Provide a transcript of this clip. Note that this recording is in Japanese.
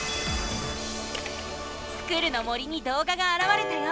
スクる！の森にどうががあらわれたよ！